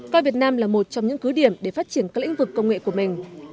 coi việt nam là một trong những cứ điểm để phát triển các lĩnh vực công nghệ của mình